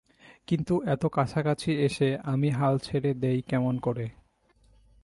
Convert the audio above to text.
কিন্তু এত কাছাকাছি এসে আমি হাল ছেড়ে দেই কেমন করে?